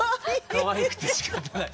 かわいくてしかたない。